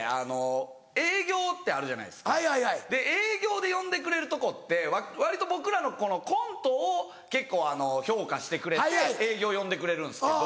営業ってあるじゃないですか営業で呼んでくれるとこって割と僕らのコントを結構評価してくれて営業呼んでくれるんですけど。